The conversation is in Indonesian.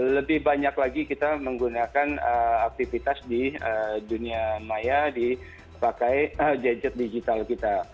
lebih banyak lagi kita menggunakan aktivitas di dunia maya dipakai gadget digital kita